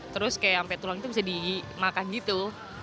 terus kayak sampai tulang itu bisa dimakan gitu